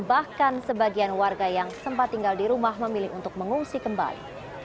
bahkan sebagian warga yang sempat tinggal di rumah memilih untuk mengungsi kembali